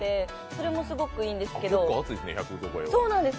それもすごくいいんですけど。